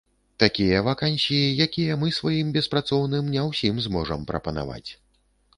Такія вакансіі, якія мы сваім беспрацоўным не ўсім зможам прапанаваць.